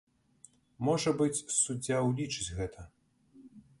Можа быць, суддзя ўлічыць гэта.